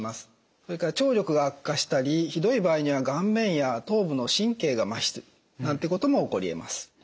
それから聴力が悪化したりひどい場合には顔面や頭部の神経がまひするなんてことも起こりえます。